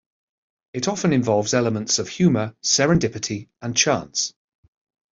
It often involves elements of humor, serendipity, and chance.